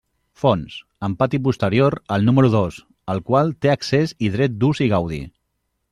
Fons: amb pati posterior al número dos al qual té accés i dret d'ús i gaudi.